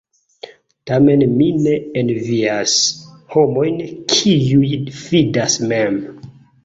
Tamen mi ne envias homojn, kiuj fidas mem.